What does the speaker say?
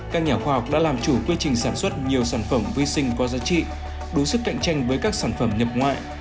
các nhà khoa học đã làm chủ quy trình sản xuất nhiều sản phẩm vi sinh có giá trị đủ sức cạnh tranh với các sản phẩm nhập ngoại